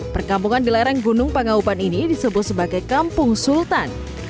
perkampungan di lereng gunung pangaupan ini disebut sebagai kampung sultan